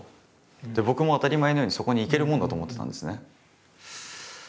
僕も当たり前のようにそこに行けるもんだと思ってたんですね。